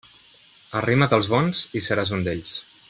Arrima't als bons, i seràs un d'ells.